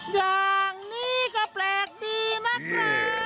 อย่างนี้ก็แปลกดีนะครับ